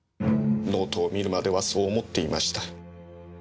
ノートを見るまではそう思っていました。